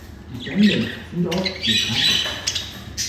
Die Stängel sind oft vierkantig.